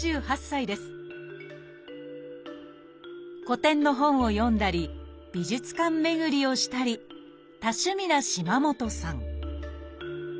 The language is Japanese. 古典の本を読んだり美術館巡りをしたり多趣味な島本さん